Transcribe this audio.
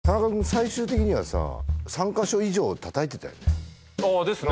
最終的にはさ３か所以上叩いてたよねああですね